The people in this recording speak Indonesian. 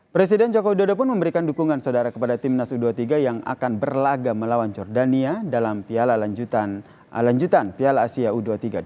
presiden joko widodo pun memberikan dukungan saudara kepada timnas u dua puluh tiga yang akan berlaga melawan jordania dalam piala lanjutan piala asia u dua puluh tiga dua ribu dua puluh